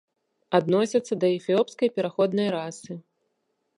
Адносяцца да эфіопскай пераходнай расы.